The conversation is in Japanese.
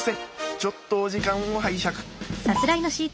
ちょっとお時間を拝借。